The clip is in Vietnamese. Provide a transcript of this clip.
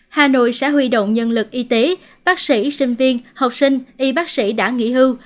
hà nội sẽ huy động nhân lực y tế bác sĩ sinh viên học sinh y bác sĩ đã nghỉ hưu